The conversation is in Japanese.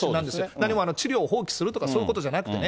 何も治療を放棄するとかそういうことじゃなくてね。